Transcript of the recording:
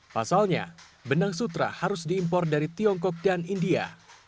pasalnya benang sutra harus diimpor dari tiongkok dan india